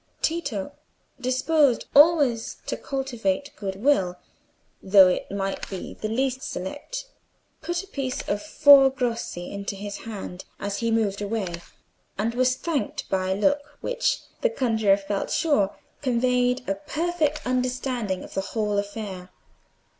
Tito, disposed always to cultivate goodwill, though it might be the least select, put a piece of four grossi into his hand as he moved away, and was thanked by a look which, the conjuror felt sure, conveyed a perfect understanding of the whole affair.